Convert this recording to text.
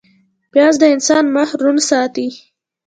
پیاز د انسان مخ روڼ ساتي